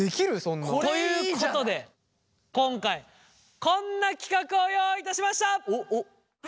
これいいじゃない！ということで今回こんな企画を用意いたしました！